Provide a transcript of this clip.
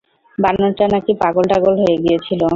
বানরটা নাকি পাগল-টাগল হয়ে গিয়েছিল।